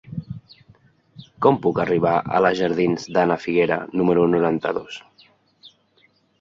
Com puc arribar a la jardins d'Ana Figuera número noranta-dos?